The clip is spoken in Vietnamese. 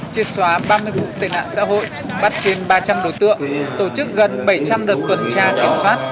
triệt xóa ba mươi vụ tên nạn xã hội bắt trên ba trăm linh đối tượng tổ chức gần bảy trăm linh đợt tuần tra kiểm soát